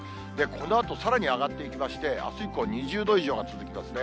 このあとさらに上がっていきまして、あす以降２０度以上が続きますね。